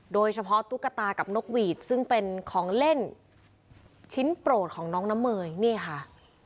ตุ๊กตากับนกหวีดซึ่งเป็นของเล่นชิ้นโปรดของน้องน้ำเมยนี่ค่ะ